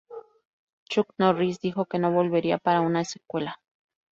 Chuck Norris dijo que no volvería para una secuela.